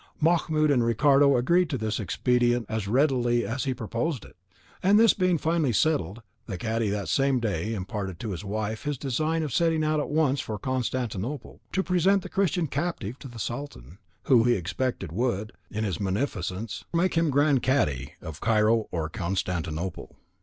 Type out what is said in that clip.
Mahmoud and Ricardo agreed to this expedient as readily as he proposed it, and this being finally settled, the cadi that same day imparted to his wife his design of setting out at once for Constantinople, to present the Christian captive to the Sultan, who, he expected would, in his munificence, make him grand cadi of Cairo or Constantinople.